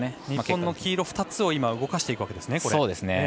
日本の黄色２つを動かしていくわけですね